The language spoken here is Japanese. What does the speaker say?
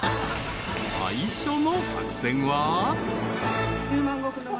［最初の作戦は］